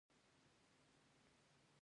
ایا زغم لرئ؟